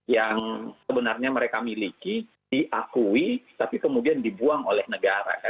yang sebenarnya mereka miliki diakui tapi kemudian dibuang oleh negara